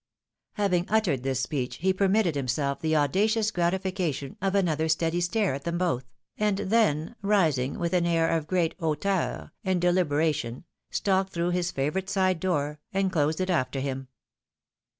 Having uttered this speech, he permitted himself the auda cious gratification of another steady stare at them both ; and then, rising with an air of great hauteur and delibera tion, stalked through his favourite side door, and closed it after him.